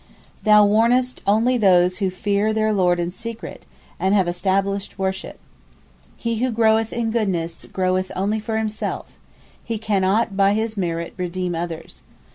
Thou warnest only those who fear their Lord in secret, and have established worship. He who groweth (in goodness), groweth only for himself, (he cannot by his merit redeem others).